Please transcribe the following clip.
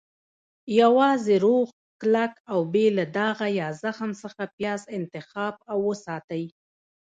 - یوازې روغ، کلک، او بې له داغه یا زخم څخه پیاز انتخاب او وساتئ.